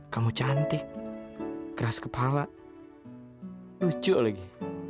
kamu cantik keras kepala lucu lagi